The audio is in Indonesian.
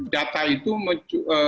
data itu menunjukkan